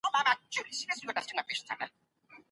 کار کېدای سو .